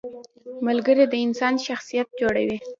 • ملګری د انسان شخصیت جوړوي.